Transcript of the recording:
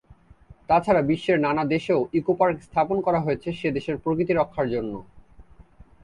তাছাড়া বিশ্বের নানা দেশেও ইকোপার্ক স্থাপন করা হয়েছে সে দেশের প্রকৃতি রক্ষার জন্য।